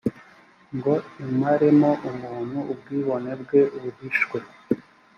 ngo imaremo umuntu ubwibone bwe buhishwe